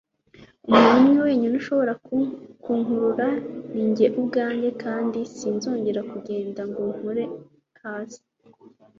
umuntu wenyine ushobora kunkurura ni njye ubwanjye, kandi sinzongera kundeka ngo nkure hasi